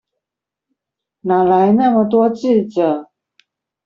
哪來那麼多智者